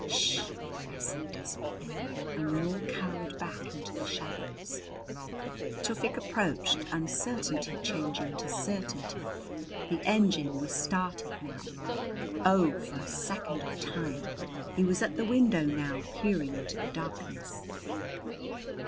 "Sh!" I said desperately, and we all cowered back into the shadows. Tufik approached, uncertainty changing to certainty. The engine was started now. Oh, for a second of time! He was at the window now, peering into the darkness.